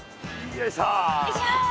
よいしょ。